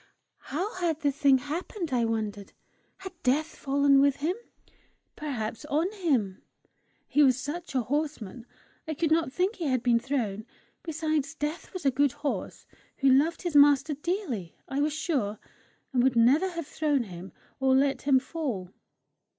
How had the thing happened, I wondered. Had Death fallen with him perhaps on him? He was such a horseman, I could not think he had been thrown. Besides, Death was a good horse who loved his master dearly, I was sure, and would never have thrown him or let him fall!